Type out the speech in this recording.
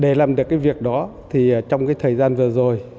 để làm được cái việc đó thì trong cái thời gian vừa rồi